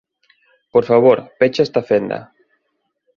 Por favor, pecha esta fenda.